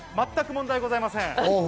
全く問題はございません。